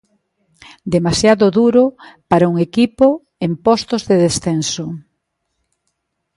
Demasiado duro para un equipo en postos de descenso.